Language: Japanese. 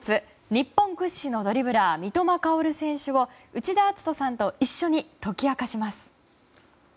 日本屈指のドリブラー三笘薫選手を内田篤人さんと一緒に解き明かします。